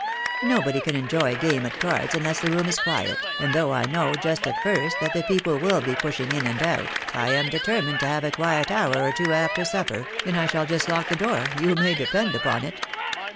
Nobody can enjoy a game at cards unless the room is quiet ; and though I know just at first that the people will be pushing in and out, I am determined to have a quiet hour or two after supper, and I shall just lock the door, you may depend upon it."